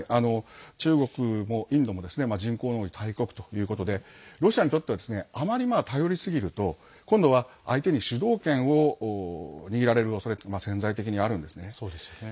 中国もインドも人口の多い大国ということでロシアにとってはあまり頼りすぎると今度は相手に主導権を握られるおそれが潜在的にあるんですね。